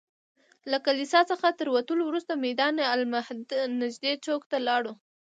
له کلیسا څخه تر وتلو وروسته میدان المهد نږدې چوک ته لاړو.